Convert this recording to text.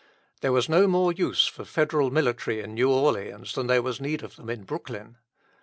There was no more use for Federal military in New Orleans than there was need of them in Brooklyn.